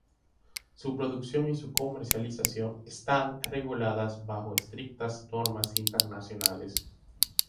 Su producción y su comercialización están reguladas bajo estrictas normas internacionales.